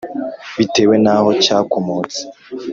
bitewe n'aho cyakomotse.